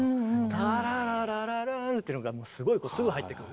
タララララランっていうのがすごいすぐ入ってくる。